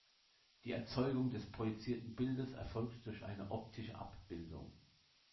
Die Erzeugung des projizierten Bildes erfolgt durch eine optische Abbildung.